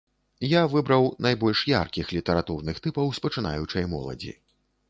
Я выбраў найбольш яркіх літаратурных тыпаў з пачынаючай моладзі.